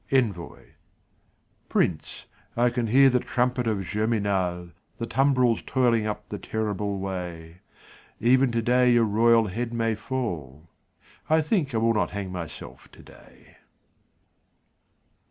Envoi Prince, I can hear the trumpet of Germinal, The tumbrils toiling up the terrible way; Even today your royal head may fall I think I will not hang myself today.